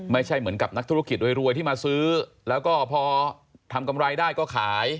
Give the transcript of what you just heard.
ไม่ใช่เหมือนกับนักธุรกิจรวยที่มาซื้อแล้วก็พอทำกำไรได้ก็ขาย